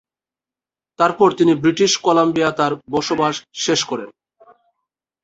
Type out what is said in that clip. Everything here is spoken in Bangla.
তারপর তিনি ব্রিটিশ কলাম্বিয়া তার বসবাস শেষ করেন।